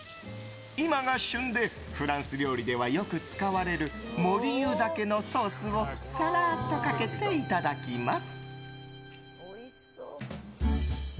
今が旬でフランス料理ではよく使われるモリーユ茸のソースをさらっとかけていただきます。